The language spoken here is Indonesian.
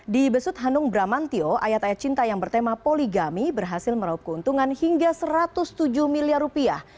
di besut hanung bramantio ayat ayat cinta yang bertema poligami berhasil meraup keuntungan hingga satu ratus tujuh miliar rupiah